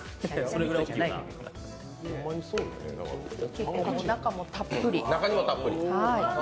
結構、中もたっぷり。